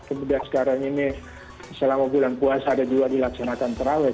kemudian sekarang ini selama bulan puasa ada juga dilaksanakan terawih